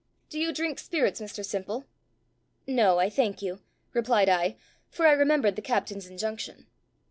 Do you drink spirits, Mr Simple?" "No, I thank you," replied I, for I remembered the captain's injunction.